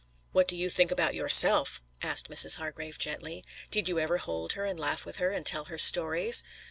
"What do you think about yourself?" asked Mrs. Hargrave gently. "Did you ever hold her and laugh with her, and tell her stories?"